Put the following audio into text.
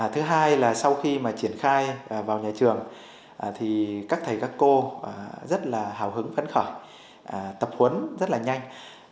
thứ hai là sau khi mà triển khai vào nhà trường thì các thầy các cô rất là hào hứng phấn khởi tập huấn rất là nhanh